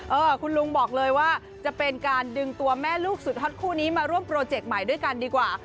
เออคุณลุงบอกเลยว่าจะเป็นการดึงตัวแม่ลูกสุดฮอตคู่นี้มาร่วมโปรเจกต์ใหม่ด้วยกันดีกว่า